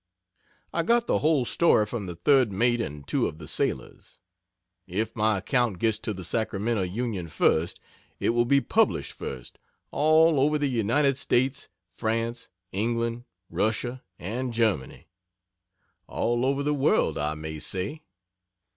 I got the whole story from the third mate and two of the sailors. If my account gets to the Sacramento Union first, it will be published first all over the United States, France, England, Russia and Germany all over the world; I may say.